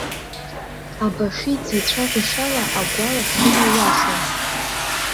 Абашиӡе ицәажәашьала, агәала шимоу ҩашьом.